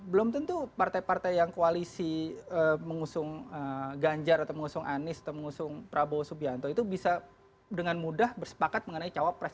belum tentu partai partai yang koalisi mengusung ganjar atau mengusung anies atau mengusung prabowo subianto itu bisa dengan mudah bersepakat mengenai cawapres